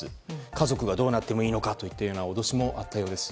家族がどうなってもいいのかという脅しもあったようです。